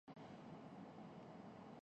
تو تین باتوں کا لحاظ ضروری ہے۔